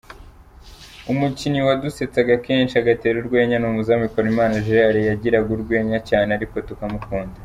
Umukinnyi wadusetsaga kenshi, agatera urwenya ni umuzamu Bikorimana Gerald, yagiraga urwenya cyane ariko tukamukunda.